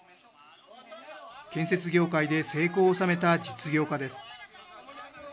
建設業界で成功を収めた実業家です。